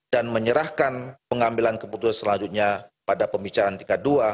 dan menyerahkan pengambilan keputusan selanjutnya pada pembicaraan tingkat dua